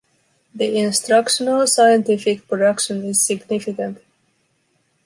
The instructional scientific production is significant.